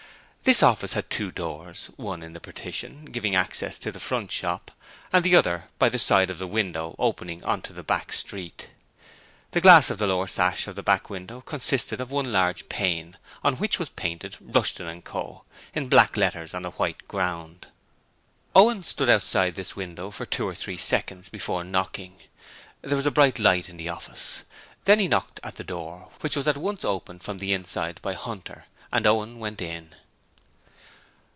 This office had two doors, one in the partition, giving access to the front shop, and the other by the side of the window and opening on to the back street. The glass of the lower sash of the back window consisted of one large pane on which was painted 'Rushton & Co.' in black letters on a white ground. Owen stood outside this window for two or three seconds before knocking. There was a bright light in the office. Then he knocked at the door, which was at once opened from the inside by Hunter, and Owen went in.